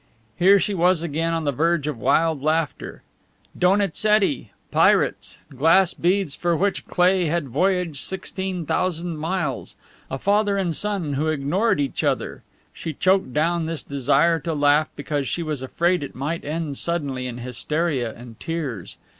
Here she was again on the verge of wild laughter. Donizetti! Pirates! Glass beads for which Cleigh had voyaged sixteen thousand miles! A father and son who ignored each other! She choked down this desire to laugh, because she was afraid it might end suddenly in hysteria and tears.